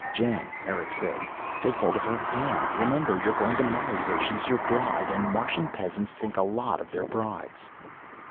"Jan," Erick said. "Take hold of her hand! Remember, you're going to marry her; she's your bride. And Martian peasants think a lot of their brides."